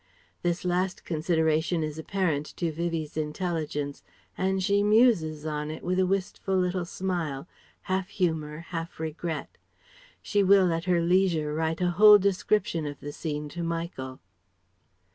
This last consideration is apparent to Vivie's intelligence and she muses on it with a wistful little smile, half humour, half regret. She will at her leisure write a whole description of the scene to Michael.